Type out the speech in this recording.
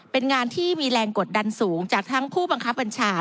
เป็นงานที่มีแรงกดดันสูงจากทั้งผู้บังคับบัญชา